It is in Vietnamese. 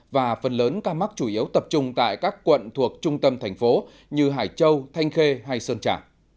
và phần lớn ca mắc chủ yếu tập trung tại các quận thuộc trung tâm thành phố như hải châu thanh khê hay sơn trà